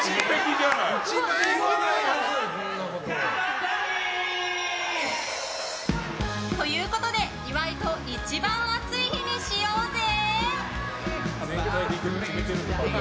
ッシャー！ということで、岩井と一番熱い日にしようぜ！